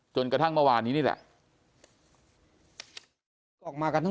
จนกระทั่งเมื่อวานนี้นี่แหละ